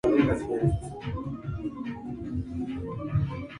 Nikabu ni kivazi kinachoziba uso na kubakisha macho tu